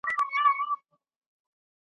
غرڅه ډوب وو د ښکرونو په ستایلو .